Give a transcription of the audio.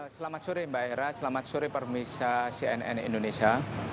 selamat sore mbak hera selamat sore permisa cnn indonesia